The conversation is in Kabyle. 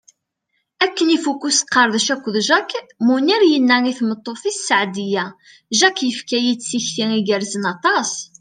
Akken ifuk usqerdec akked Jack, Munir yenna i tmeṭṭut-is Seɛdiya: Jack yefka-yi-d tikti igerrzen aṭas.